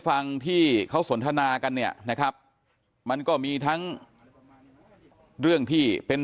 ฟังที่เขาสนทนากันเนี่ยนะครับมันก็มีทั้งเรื่องที่เป็น